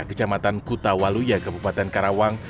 kejamatan kutawaluya kabupaten karawang